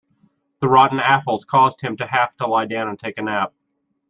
The rotten apples caused him to have to lie down and take a nap.